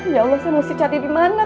ya allah sih mesti cari di mana